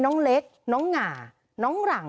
น้องเล็กน้องหง่าน้องหลัง